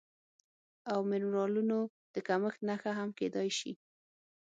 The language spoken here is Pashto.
او منرالونو د کمښت نښه هم کیدی شي